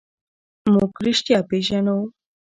موږ رښتیا پېژنو.